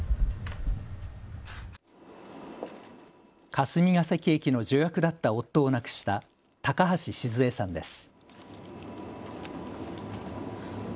霞ケ関駅の助役だった夫を亡くした高橋シズヱさんです。